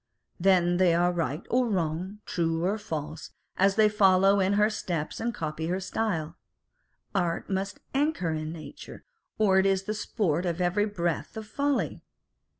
Then they are right or wrong, true or false, as they follow in her steps and copy her style. Art must anchor in nature, or it is the sport of every breath of folly.